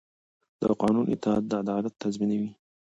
د قانون اطاعت عدالت تضمینوي